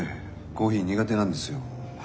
コーヒー苦手なんですよ。